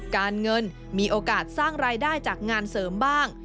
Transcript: การเงินมีโอกาสสร้างรายได้จากงานเสริมบ้าง